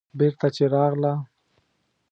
بېرته چې راغله.